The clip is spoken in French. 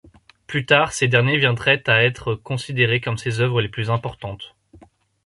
Plus tard, ces derniers viendraient à être considérés comme ses œuvres les plus importantes.